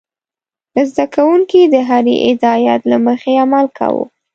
زده کوونکي د هرې هدايت له مخې عمل کاوه.